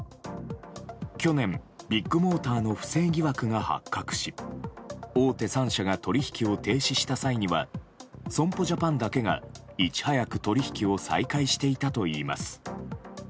去年、ビッグモーターの不正疑惑が発覚し大手３社が取引を停止した際には損保ジャパンだけが、いち早く取引を再開していたといいます。